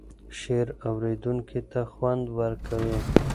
شعر اوریدونکی ته خوند ورکوي.